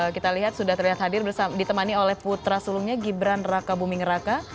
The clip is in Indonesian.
kita lihat sudah terlihat hadir ditemani oleh putra sulungnya gibran raka buming raka